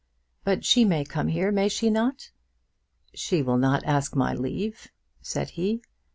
"But she may come here; may she not?" "She will not ask my leave," said he.